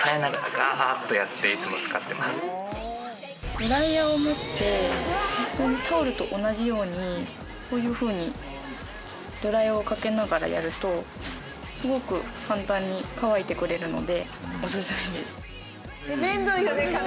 ドライヤーを持ってホントにタオルと同じようにこういうふうにドライヤーをかけながらやるとすごく簡単に乾いてくれるのでおすすめです。